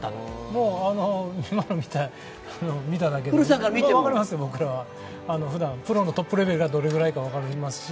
もう、今見ただけで分かりますよ、僕らは。ふだん、プロのトップレベルがどれぐらいか分かりますし、